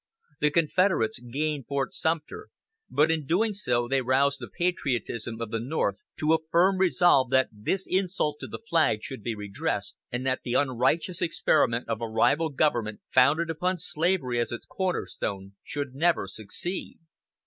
The Confederates gained Fort Sumter, but in doing so they roused the patriotism of the North to a firm resolve that this insult to the flag should be redressed, and that the unrighteous experiment of a rival government founded upon slavery as its "cornerstone," should never succeed.